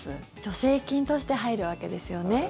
助成金として入るわけですよね。